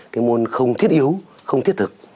cái môn không thiết yếu không thiết thực